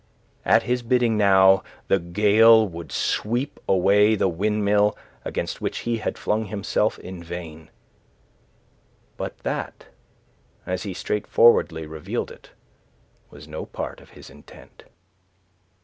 At his bidding now the gale would sweep away the windmill against which he had flung himself in vain. But that, as he straightforwardly revealed it, was no part of his intent.